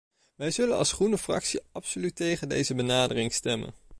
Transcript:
Wij zullen als groene fractie absoluut tegen deze benadering stemmen.